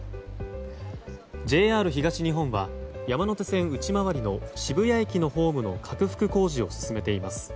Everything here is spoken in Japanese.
ＪＲ東日本は山手線内回りの渋谷駅のホームの拡幅工事を進めています。